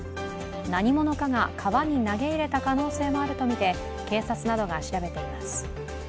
何者かが川に投げ入れた可能性もあるとみて警察などが調べています。